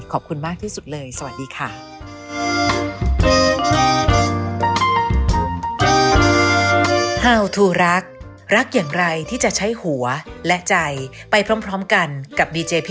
ขอบคุณมากที่สุดเลยสวัสดีค่ะ